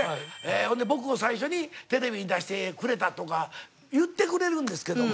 それで僕を最初にテレビに出してくれたとか言ってくれるんですけども。